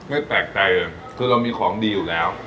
ไม่แปลกใจคือเรามีของดีอยู่แล้ว